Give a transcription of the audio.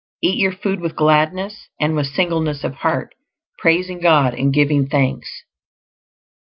Eat your food with gladness and with singleness of heart, praising God and giving thanks.